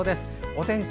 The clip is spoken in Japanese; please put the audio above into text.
お天気